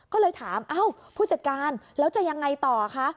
ก็เลยถามเอ้าผู้จัดการแล้วจะยังไงต่อคะ